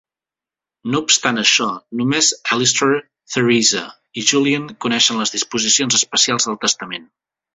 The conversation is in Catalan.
No obstant això, només Alistair, Theresa i Julian coneixen les disposicions especials del testament.